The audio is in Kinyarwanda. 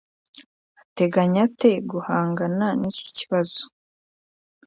ateganya ate guhangana niki kibazo?